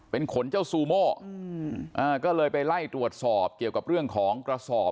เป็นขนเจ้าซูโม่อืมอ่าก็เลยไปไล่ตรวจสอบเกี่ยวกับเรื่องของกระสอบ